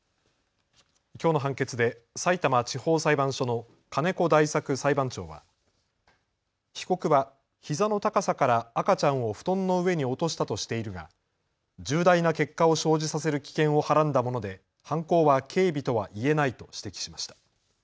きょうの判決でさいたま地方裁判所の金子大作裁判長は被告はひざの高さから赤ちゃんを布団の上に落としたとしているが重大な結果を生じさせる危険をはらんだもので犯行は軽微とは言えないと指摘しました。